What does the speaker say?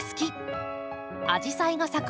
アジサイが咲く